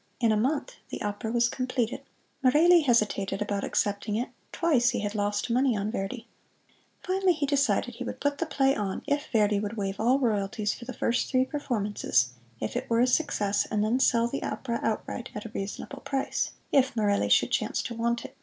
In a month the opera was completed. Merelli hesitated about accepting it twice he had lost money on Verdi. Finally he decided he would put the play on, if Verdi would waive all royalties for the first three performances, if it were a success, and then sell the opera outright "at a reasonable price," if Merelli should chance to want it.